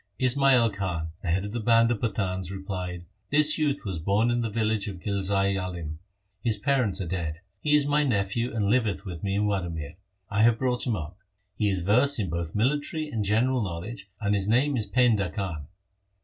Ismail Khan, the head of the band of Pathans, replied, ' This youth was born in the village of Ghilzai Alim. His parents are dead. He is my nephew and liveth with me in Wadamir. I have brought him up. He is versed in both military and general knowledge, and his name is Painda Khan.'